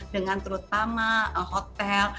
dengan terutama hotel